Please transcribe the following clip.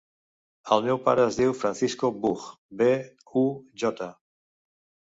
El meu pare es diu Francisco Buj: be, u, jota.